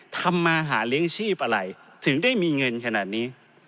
ทำมาหาเลี้ยงชีพอะไรถึงได้มีเงินขนาดนี้